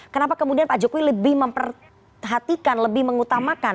kenapa kemudian pak jokowi lebih memperhatikan lebih mengutamakan